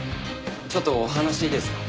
ちょっとお話いいですか？